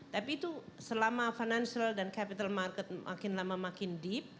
tapi itu selama financial dan capital market makin lama makin deep